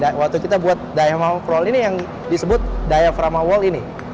ketika kami membuat diapel diapel ini